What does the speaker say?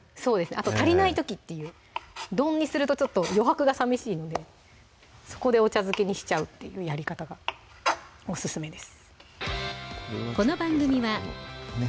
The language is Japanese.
あと足りない時っていう丼にするとちょっと余白がさみしいのでそこでお茶漬けにしちゃうっていうやり方がオススメです